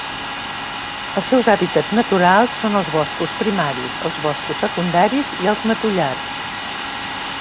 Els seus hàbitats naturals són els boscos primaris, els boscos secundaris i els matollars.